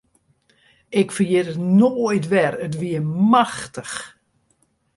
Ik ferjit it nea wer, it wie machtich.